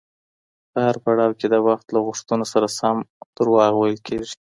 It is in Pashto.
په هر پړاو کي د وخت له غوښتنو سره سم دروغ ویل کیږي.